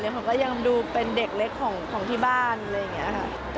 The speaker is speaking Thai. ผมก็ยังดูเป็นเด็กเล็กของที่บ้านอะไรอย่างนี้ค่ะ